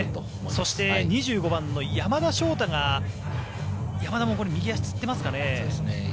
そして２５番の山田翔太が山田も右足つってますかね。